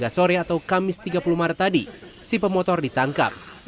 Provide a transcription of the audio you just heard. tiga sore atau kamis tiga puluh maret tadi si pemotor ditangkap